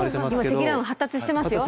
今積乱雲が発達してますよ。